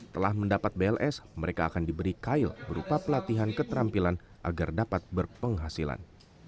telah mendapat bls mereka akan diberi kail berupa pelatihan keterampilan agar dapat berpenghasilan